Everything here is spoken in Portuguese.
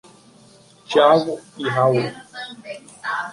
Tiago e Raul.